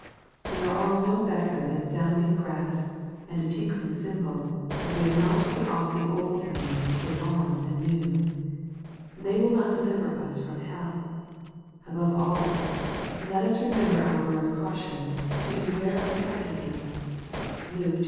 They are all no better than sounding brass, and a tinkling cymbal, if we have not put off the old man, and put on the new. They will not deliver us from hell. Above all, let us remember our Lord's cau tion, to " beware of covetousness." (Luke xii.